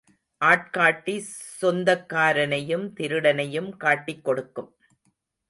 ஆட்காட்டி சொந்தக்காரனையும் திருடனையும் காட்டிக் கொடுக்கும்.